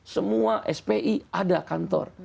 semua spi ada kantor